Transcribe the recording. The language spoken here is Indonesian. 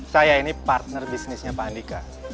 saya ini partner bisnisnya pak andika